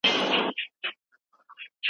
موږ ځینې وخت د خپلو غوښتنو په اړه تېروځو.